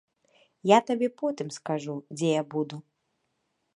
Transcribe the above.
Я табе потым скажу, дзе я буду.